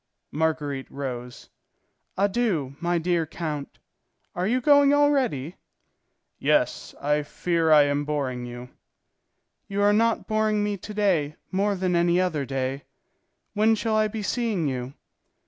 Marguerite rose. "Adieu, my dear count. Are you going already?" "Yes, I fear I am boring you." "You are not boring me to day more than any other day. When shall I be seeing you?"